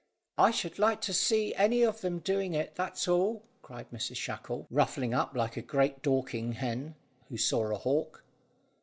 "I should like to see any of them doing it, that's all," cried Mrs Shackle, ruffling up like a great Dorking hen who saw a hawk.